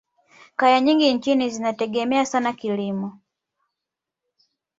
kaya nyingi nchini zinategemea sana kilimo